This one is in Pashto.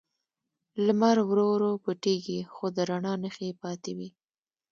لمر ورو ورو پټیږي، خو د رڼا نښې یې پاتې وي.